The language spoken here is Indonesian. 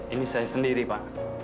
ini saya sendiri pak